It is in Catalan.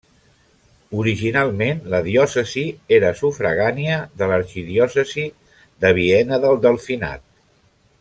Originalment, la diòcesi era sufragània de l'arxidiòcesi de Viena del Delfinat.